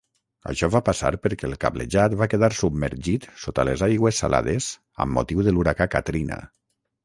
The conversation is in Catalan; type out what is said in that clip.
Això va passar perquè el cablejat va quedar submergit sota les aigües salades amb motiu de l'huracà Katrina.